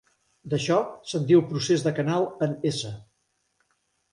D'això se'n diu procés de canal en s.